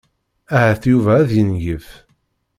Ahat Yuba ad yengef.